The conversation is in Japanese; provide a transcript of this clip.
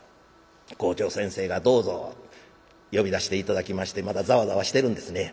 校長先生が「どうぞ」呼び出して頂きましてまだザワザワしてるんですね。